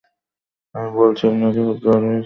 আমি বলছি আপনাকে, ওর জ্বর হয়েছে!